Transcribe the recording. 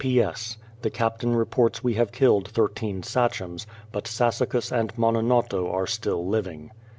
P. S. — The captain reports we have killed 13 Sachems; but Sassacus and Mononotto are still living.